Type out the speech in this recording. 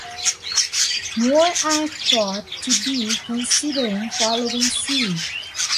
More are thought to be considering following suit.